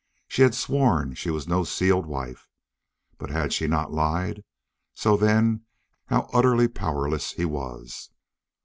She had sworn she was no sealed wife. But had she not lied? So, then, how utterly powerless he was!